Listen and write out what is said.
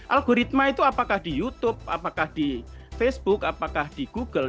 algoritma itu apakah di youtube apakah di facebook apakah di google